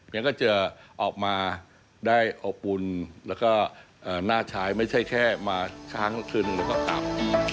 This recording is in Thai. ยังก็จะออกมาได้อบรุณและก็น่าใช้ไม่ใช่แค่มาช้างคืนนึงแล้วก็กลับ